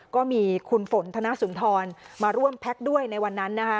ก็มีคุณฝนธนสุนทรมาร่วมแพ็คด้วยในวันนั้นนะคะ